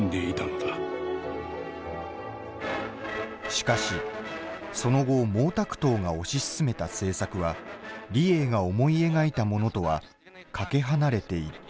しかしその後毛沢東が推し進めた政策は李鋭が思い描いたものとはかけ離れていった。